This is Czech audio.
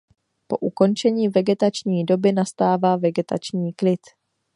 Po ukončení vegetační doby nastává vegetační klid.